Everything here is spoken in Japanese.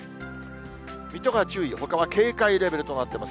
水戸が注意、ほかは警戒レベルとなっています。